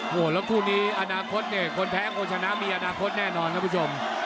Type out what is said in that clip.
โอ้โหแล้วคู่นี้อนาคตเนี่ยคนแพ้คนชนะมีอนาคตแน่นอนครับคุณผู้ชม